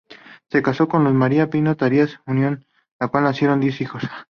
Se casó con Luz María Pinochet Arias, unión de la cual nacieron diez hijos.